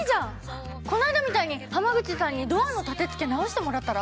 この間みたいに浜口さんにドアの立てつけ直してもらったら？